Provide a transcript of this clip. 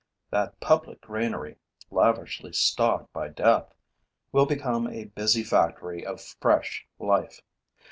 That public granary, lavishly stocked by death, will become a busy factory of fresh life.